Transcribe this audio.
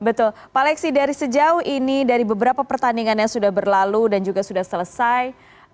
betul pak lexi dari sejauh ini dari beberapa pertandingan yang sudah berlalu dan juga sudah selesai